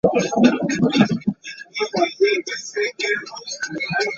In many types of models, such as mixture models, the posterior may be multi-modal.